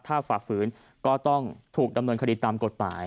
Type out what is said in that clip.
ถ้าฝ่าฝืนก็ต้องถูกดำเนินคดีตามกฎหมาย